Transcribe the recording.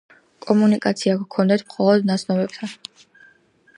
კომუნიკაცია გქონდეთ მხოლოდ ნაცნობებთან.